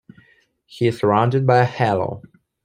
He is surrounded by a halo.